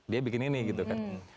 dia bikin ini gitu kan